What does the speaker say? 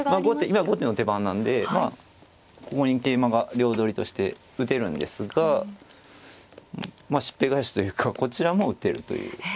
今後手の手番なんでまあここに桂馬が両取りとして打てるんですがまあしっぺ返しというかこちらも打てるという。